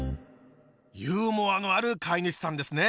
ユーモアのある飼い主さんですね！